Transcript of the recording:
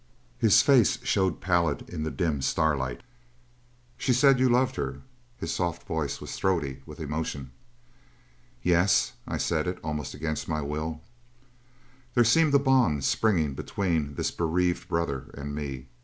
His face showed pallid in the dim starlight. "She said you loved her." His soft voice was throaty with emotion. "Yes." I said it almost against my will. There seemed a bond springing between this bereaved brother and me.